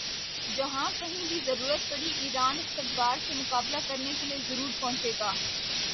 جہاں کہیں بھی ضرورت پڑی ایران استکبار سے مقابلہ کرنے کے لئے ضرور پہنچے گا